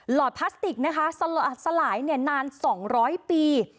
หลอดพลาสติกสลายนาน๒๐๐ปี